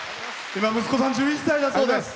今、息子さん１１歳だそうで。